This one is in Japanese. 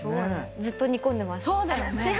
ずっと煮込んでました。